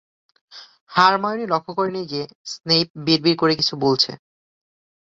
Hermione লক্ষ্য করে যে, স্নেইপ বিড়বিড় করে কিছু বলছে।